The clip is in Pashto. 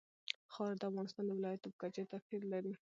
خاوره د افغانستان د ولایاتو په کچه توپیر لري.